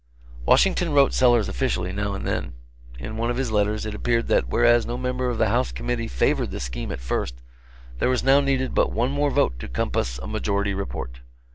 Washington wrote Sellers officially, now and then. In one of his letters it appeared that whereas no member of the House committee favored the scheme at first, there was now needed but one more vote to compass a majority report.